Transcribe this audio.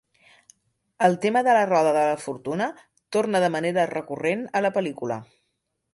El tema de La roda de la fortuna torna de manera recurrent a la pel·lícula.